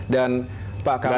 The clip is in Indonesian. dan pak kami